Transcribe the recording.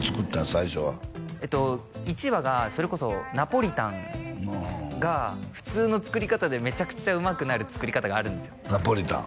最初は１話がそれこそナポリタンが普通の作り方でめちゃくちゃうまくなる作り方があるんですよナポリタン？